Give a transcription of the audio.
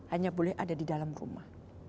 hanya boleh ada di dalam rumah